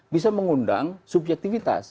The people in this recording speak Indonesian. bisa mengundang subjektivitas